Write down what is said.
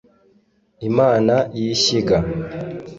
imana y’ishyiga